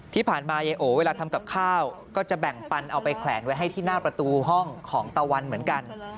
ยายโอเวลาทำกับข้าวก็จะแบ่งปันเอาไปแขวนไว้ให้ที่หน้าประตูห้องของตะวันเหมือนกัน